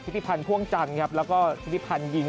ทฤษภัณฑ์พ่วงจันทร์ครับแล้วก็ทฤษภัณฑ์ยิง